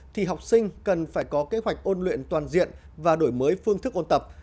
thì học sinh cần phải có kế hoạch ôn luyện toàn diện và đổi mới phương thức ôn tập